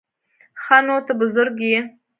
_ښه نو، ته بزرګ يې؟